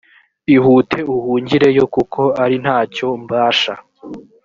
ihute uhungireyo kuko ari nta cyo mbasha